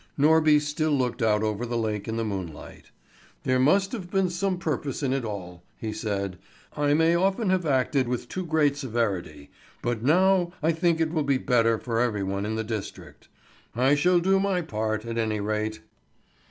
Norby still looked out over the lake in the moonlight. "There must have been some purpose in it all," he said. "I may often have acted with too great severity, but now I think it will be better for every one in the district. I shall do my part, at any rate."